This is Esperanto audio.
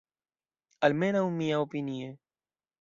Almenaŭ, miaopinie.